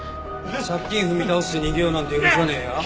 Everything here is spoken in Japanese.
借金踏み倒して逃げようなんて許さねえよ？